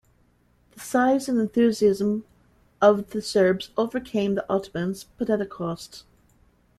The size and enthusiasm of the Serbs overcame the Ottomans, but at a cost.